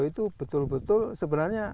itu betul betul sebenarnya